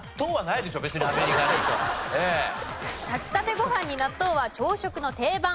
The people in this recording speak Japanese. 炊きたてご飯に納豆は朝食の定番。